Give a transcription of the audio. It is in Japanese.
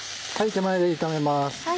手前で炒めます。